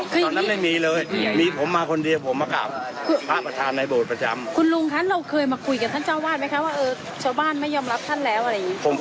คุณลุงเราเคยมาคุยกับชาวบ้านไหมคะชาวบ้านไม่ยอมรับท่านแล้ว